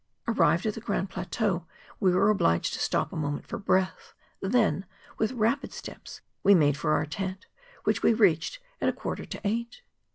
Arrived at the Grrand Plateau, we were obliged to stop a moment for breath ; then, with rapid steps, we made for our tent, which we reached at a quarter to eight.